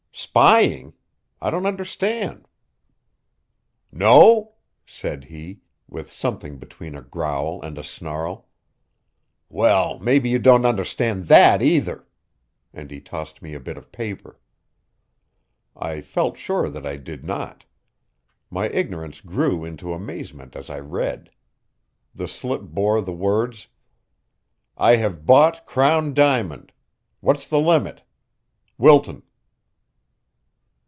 "Spying? I don't understand." "No?" said he, with something between a growl and a snarl. "Well, maybe you don't understand that, either!" And he tossed me a bit of paper. I felt sure that I did not. My ignorance grew into amazement as I read. The slip bore the words: "I have bought Crown Diamond. What's the limit? Wilton."